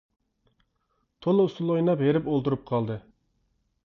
تولا ئۇسسۇل ئويناپ ھېرىپ ئولتۇرۇپ قالدى.